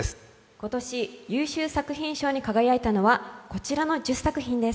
今年、優秀作品賞に輝いたのはこちらの１０作品です。